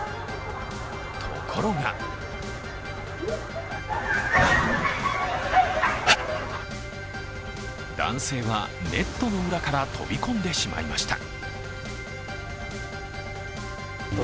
ところが男性はネットの裏から飛び込んでしまいました。